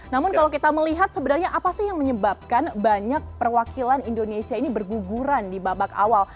namun kalau kita melihat sebenarnya apa sih yang menyebabkan banyak perwakilan indonesia ini berguguran di babak awal